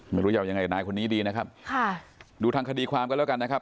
ไม่รู้จะเอายังไงกับนายคนนี้ดีนะครับค่ะดูทางคดีความกันแล้วกันนะครับ